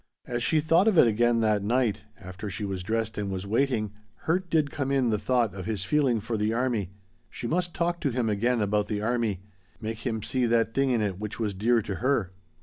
As she thought of it again that night, after she was dressed and was waiting, hurt did come in the thought of his feeling for the army. She must talk to him again about the army, make him see that thing in it which was dear to her.